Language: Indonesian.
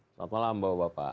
selamat malam bapak bapak